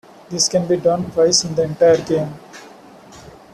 This can be done twice in the entire game.